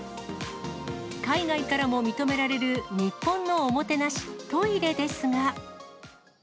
海外からも認められる日本のおもてなし、トイレですが。